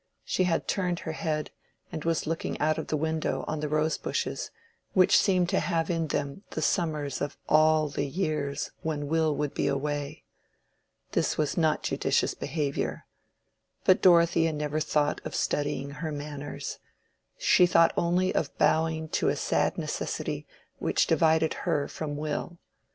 She had turned her head and was looking out of the window on the rose bushes, which seemed to have in them the summers of all the years when Will would be away. This was not judicious behavior. But Dorothea never thought of studying her manners: she thought only of bowing to a sad necessity which divided her from Will.